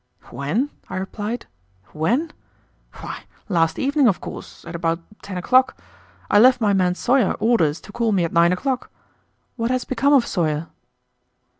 "When?" I replied, "when? Why, last evening, of course, at about ten o'clock. I left my man Sawyer orders to call me at nine o'clock. What has become of Sawyer?"